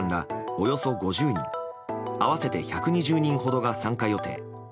およそ５０人合わせて１２０人ほどが参加予定。